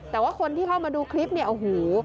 แต่ว่าคนที่เข้ามาดูคลิปเนี่ยโอ้โห